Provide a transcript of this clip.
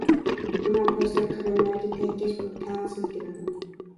ئۇنىڭ پەشلىرى قەدەملەرگە تەڭكەش بولۇپ تەڭ سىلكىنىدۇ.